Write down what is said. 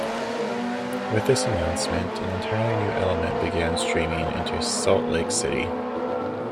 With this announcement, an entirely new element began streaming into Salt Lake City.